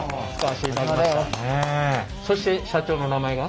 そして社長の名前が？